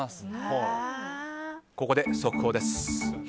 ここで速報です。